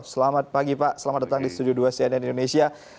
selamat pagi pak selamat datang di studio dua cnn indonesia